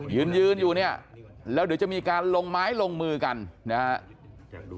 ยืนยืนอยู่เนี่ยแล้วเดี๋ยวจะมีการลงไม้ลงมือกันนะครับ